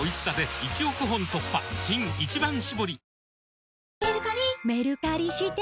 新「一番搾り」